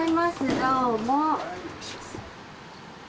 どうも。